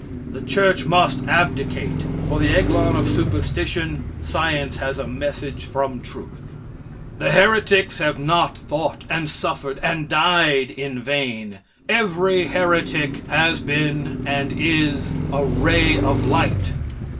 The church must abdicate. For the Eglon of superstition, science has a message from truth. The heretics have not thought and suffered and died in vain. Every heretic has been, and is, a ray of light.